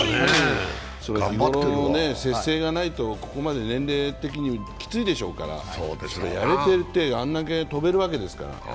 日頃の節制がないと、ここまで年齢的にきついですからやれていて、あそこまでとれるわけですから。